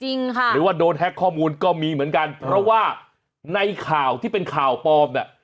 หรือว่าโดนแฮ็กข้อมูลก็มีเหมือนกันเพราะว่าในข่าวที่เป็นข่าวปลอมเนี่ย